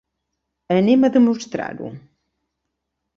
Anem a demostrar-ho.